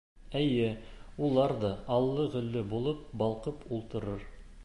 — Эйе, улар ҙа аллы-гөллө булып балҡып ултырыр.